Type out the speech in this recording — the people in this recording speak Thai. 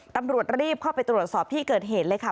ตำรวจรีบเข้าไปตรวจสอบที่เกิดเหตุเลยค่ะ